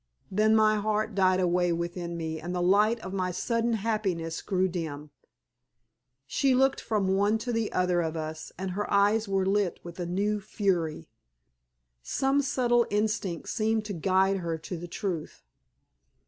Then my heart died away within me, and the light of my sudden happiness grew dim. She looked from one to the other of us, and her eyes were lit with a new fury. Some subtle instinct seemed to guide her to the truth.